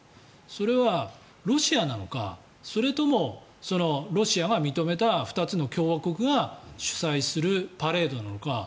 それはロシアなのかそれともロシアが認めた２つの共和国が主催するパレードなのか。